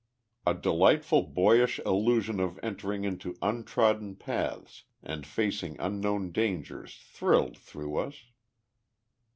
A delightful boyish illusion of entering on untrodden paths and facing unknown dangers thrilled through us.